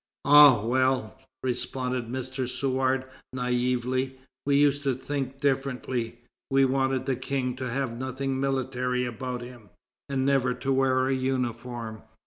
'Ah, well!' responded M. Suard, naïvely, 'we used to think differently; we wanted the King to have nothing military about him, and never to wear a uniform.'"